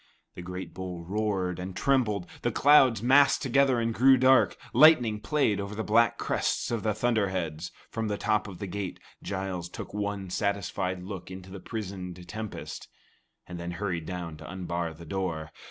The great bowl roared and trembled, the clouds massed together and grew dark; lightning played over the black crests of the thunder heads. From the top of the gate, Giles took one satisfied look into the prisoned tempest, and then hurried down to unbar the door.